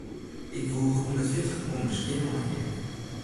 Ik woech hûndertfjirtich pûn skjin oan 'e heak.